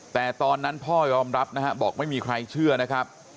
แต่ตอนนั้นพ่อยอมรับนะฮะบอกไม่มีใครเชื่อนะครับ